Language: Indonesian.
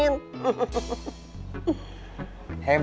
masih ada lagi